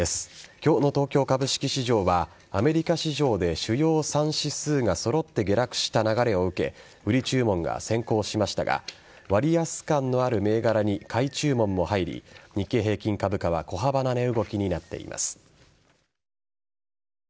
今日の東京株式市場はアメリカ市場で主要３指数が揃って下落した流れを受け売り注文が先行しましたが割安感のある銘柄に買い注文も入り日経平均株価は小幅な値動きになっています。